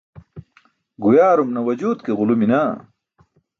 Guyaarum nawajut ke ġulumi naa?